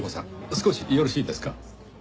少しよろしいですか？